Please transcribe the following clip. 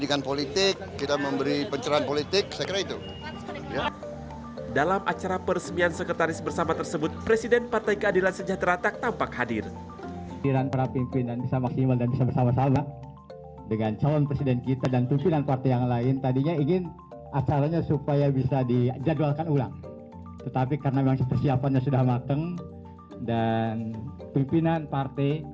dalam acara peresmian sekretaris bersama tersebut presiden partai keadilan sejahtera tak tampak hadir